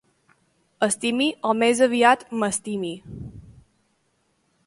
Estimi o, més aviat, m'estimi.